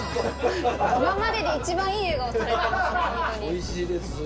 おいしいです。